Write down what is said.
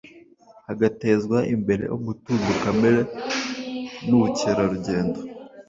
hagatezwa imbere umutungo kamere w’ubukerarugendo